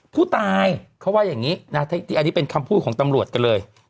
ผู้ตายเขาว่าอย่างนี้นะอันนี้เป็นคำพูดของตำรวจกันเลย